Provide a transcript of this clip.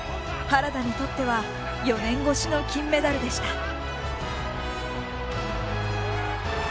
原田にとっては４年越しの金メダルでした。